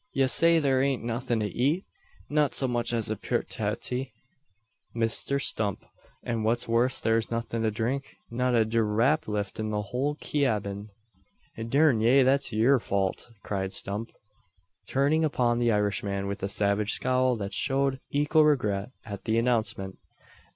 Ye say thur ain't nuthin to eet?" "Not so much as a purtaty, Misther Stump. An' what's worse thare's nothin' to dhrink not a dhrap lift in the whole cyabin." "Durn ye, that's yur fault," cried Stump, turning upon the Irishman with a savage scowl that showed equal regret at the announcement.